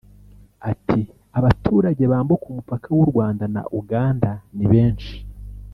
Ati “Abaturage bambuka umupaka w’u Rwanda na Uganda ni benshi